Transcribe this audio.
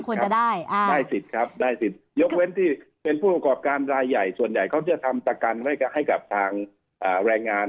ก็ได้รับความเดือดร้อนอยู่เพราะฉะนั้นกระทรวงการทางก็เลยต้องไปดูแลกลุ่มนี้ด